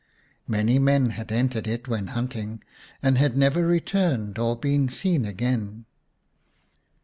Many men had entered it when hunting, and had never returned or been seen again.